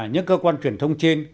những cơ quan truyền thông trên